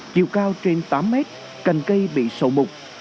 chiều cao trên tám mét cành cây bị sầu mục